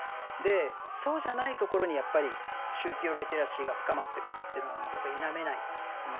そうじゃないところにやっぱり宗教リテラシーが深まってくというのは僕は否めないと思うんです。